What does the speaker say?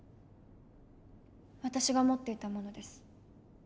私が持っていたものです。